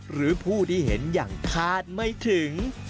หรือผู้ที่เห็นอย่างคาดไม่ถึง